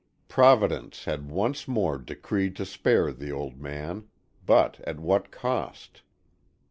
Providence had once more decreed to spare the old man. But at what cost!